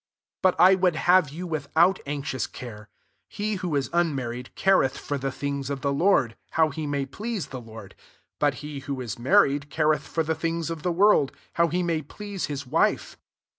32 But I would have you without anxious care.^ He who is unmarried, careth for the things of the Lord, how he may please the Lord: 33 but he who is married, eareth for the things of the world, how he may please hia wife.